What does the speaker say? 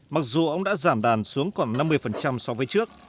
mặc dù ông đã giảm đàn xuống còn năm mươi so với trước